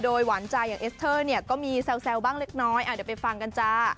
โดยหวันใจเซลล์เนี่ยก็มีเซลล์บ้างละก่อน